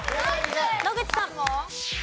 野口さん。